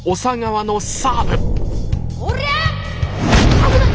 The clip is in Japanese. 危ない！